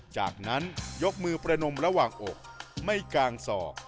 จากนั้นยกมือประนมระหว่างอกไม่กางศอก